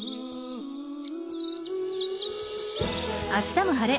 「あしたも晴れ！